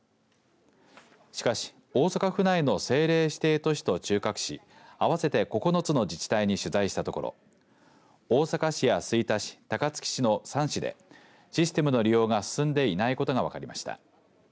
しかし、大阪府内の政令指定都市と中核市合わせて９つの自治体に取材したところ大阪市や吹田市、高槻市の３市でシステムの利用が進んでいないことが分かりました。